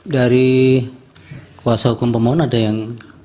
dari kuasa hukum pemohon ada yang